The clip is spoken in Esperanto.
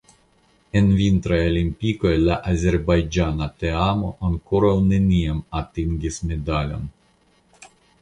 En Vintraj Olimpikoj la azerbajĝana teamo ankoraŭ neniam atingis medalon.